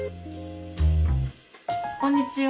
こんにちは。